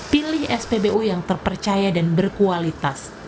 pilih spbu yang terpercaya dan berkualitas